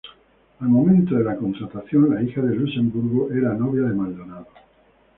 Al momento de la contratación, la hija de Luxemburgo era novia de Maldonado.